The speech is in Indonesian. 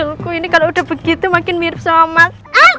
mas dukuh ini kalo udah begitu makin mirip sama mas